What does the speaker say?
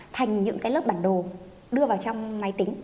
thành những cái lớp bản đồ đưa vào trong máy tính